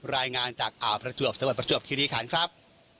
รายงานจากอาวประจวบสวัสดีประจวบคิดวิขันต์ครับ